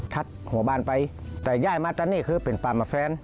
หัวบ้านไปแต่ย่ายมาตอนนี้คือเป็นปานมาแฟน